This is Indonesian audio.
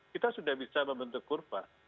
kita sudah bisa membentuk kurva